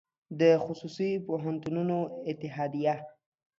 د خصوصي پوهنتونونو اتحادیه